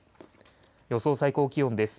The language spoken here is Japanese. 予想最高気温です。